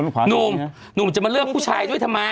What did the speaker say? ขนมเนี้ย